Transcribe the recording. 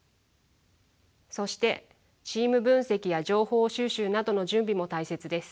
そしてチーム分析や情報収集などの準備も大切です。